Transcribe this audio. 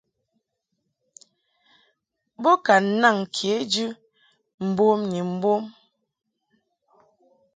Bo ka naŋ kejɨ mbom ni mbom.